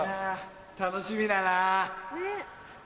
楽しみだなぁ！